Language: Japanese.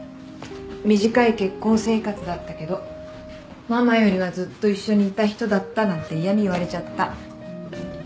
「短い結婚生活だったけどママよりはずっと一緒にいた人だった」なんて嫌み言われちゃった。